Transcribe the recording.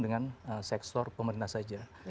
dengan sektor pemerintah saja